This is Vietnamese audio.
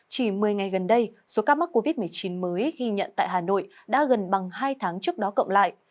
chỉ một mươi ngày gần đây số ca mắc covid một mươi chín mới ghi nhận tại hà nội đã gần bằng hai tháng trước đó cộng lại